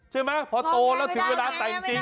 ช่วยไหมเพราะตัวแล้วถือเวลาต่างจริง